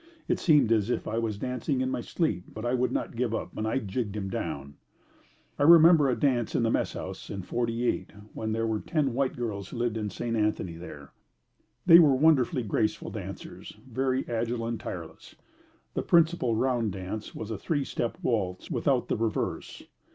It seemed as if I was dancing in my sleep, but I would not give up and jigged him down. I remember a dance in the messhouse in '48 when there were ten white girls who lived in St. Anthony there. They were wonderfully graceful dancers very agile and tireless. The principal round dance was a three step waltz without the reverse.